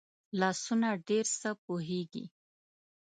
لاسونه ډېر څه پوهېږي